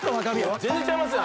全然ちゃいますやん。